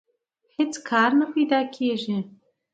هېڅ کار نه پیدا کېږي